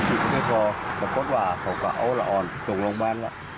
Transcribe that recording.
อีกตั้งได้พอกระพการภูเขาและอ๋อนตรงโรงพยาบาล